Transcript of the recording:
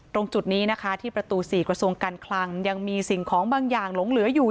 ตรงจุดนี้นะคะที่ประตู๔กระทรวงการคลังยังมีสิ่งของบางอย่างหลงเหลืออยู่